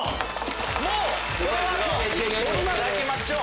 もうこれは取っていただきましょう。